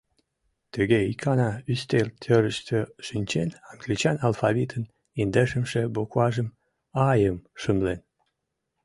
Тыге икана ӱстел тӧрыштӧ шинчен, англичан алфавитын индешымше букважым — «ай»-ым — шымлен.